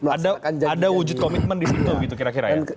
ada wujud komitmen di situ gitu kira kira ya